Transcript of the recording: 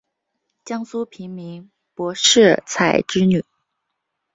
江苏平民柏士彩之女。